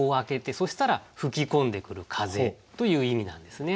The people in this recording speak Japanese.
そしたら吹き込んでくる風という意味なんですね。